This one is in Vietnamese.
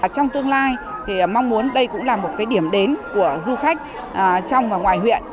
trong tương lai thì mong muốn đây cũng là một điểm đến của du khách trong và ngoài huyện